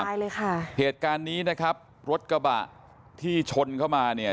ตายเลยค่ะเหตุการณ์นี้นะครับรถกระบะที่ชนเข้ามาเนี่ย